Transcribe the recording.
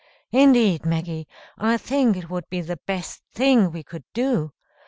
Indeed, Maggie, I think it would be the best thing we could do.